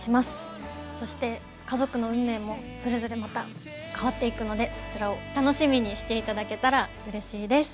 そして家族の運命もそれぞれまた変わっていくのでそちらを楽しみにして頂けたらうれしいです。